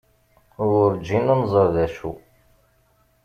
Werǧin ad nẓer d acu.